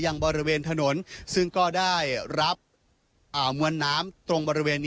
บริเวณถนนซึ่งก็ได้รับมวลน้ำตรงบริเวณนี้